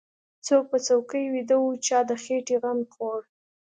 څوک په چوکۍ ويده و چا د خېټې غم خوړ.